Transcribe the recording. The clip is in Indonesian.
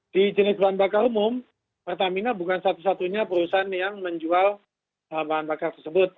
di jenis bahan bakar umum pertamina bukan satu satunya perusahaan yang menjual bahan bakar tersebut